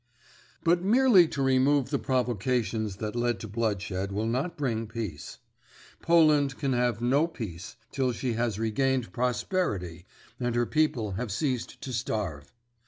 "But merely to remove the provocations that led to bloodshed will not bring peace. Poland can have no peace till she has regained prosperity and her people have ceased to starve.